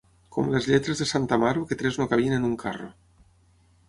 Com les lletres de sant Amaro, que tres no cabien en un carro.